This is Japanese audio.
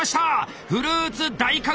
フルーツ大神